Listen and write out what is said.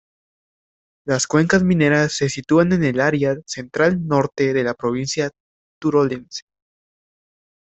Las Cuencas Mineras se sitúan en el área central-norte de la provincia turolense.